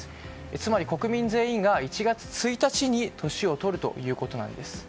つまり国民全員が１月１日に年を取るということなんです。